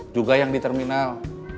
juga yang di terminal